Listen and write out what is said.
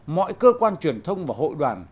mọi cơ quan truyền thông và hội đoàn